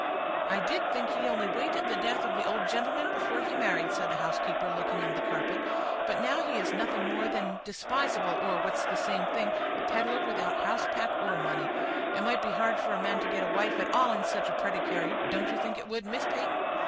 "I did think he only waited the death of the old gentleman before he married," said the housekeeper, looking on the carpet. "But now he is nothing more than despisable, or, what's the same thing, a peddler without house, pack, or money. It might be hard for a man to get a wife at all in such a predicary—don't you think it would, Miss Peyton?"